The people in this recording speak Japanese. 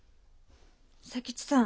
佐吉さん。